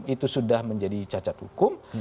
itu sudah menjadi cacat hukum